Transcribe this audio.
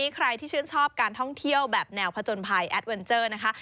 ใครที่ชื่นชอบการท่องเที่ยวแบบแนวผจญภัยแอดเวนเจอร์นะคะ